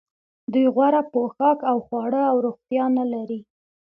دوی غوره پوښاک او خواړه او روغتیا نلري